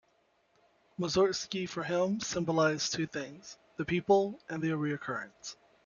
Mussorgsky for him symbolised two things-the people and recurrence.